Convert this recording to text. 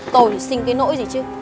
tội sinh cái nỗi gì chứ